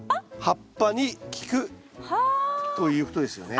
葉っぱに効くということですよね。